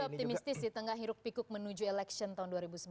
optimistis di tengah hiruk pikuk menuju election tahun dua ribu sembilan belas